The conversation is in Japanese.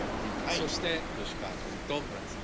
そして吉川君と村井さんが「Ｃ」。